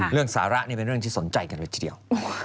เรื่องสาระนี่ทำเป็นเรื่องที่สนใจกันเมื่อทีเดียว